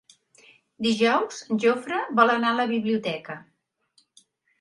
Dijous en Jofre vol anar a la biblioteca.